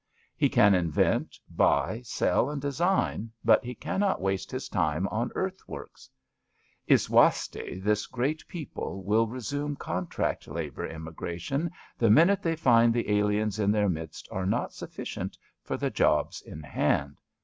He can invent, buy, sell and design, but he cannot waste his time on earth :works. Iswaste, this great people will resume 168 ABAFT THE FUNNEL contract labour immigration the minute they find the aliens in their midst are not sufficient for the jobs in hand.